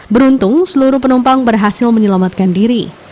beruntung seluruh penumpang berhasil menyelamatkan diri